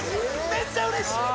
めっちゃうれしい！